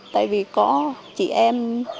tại vì có chị em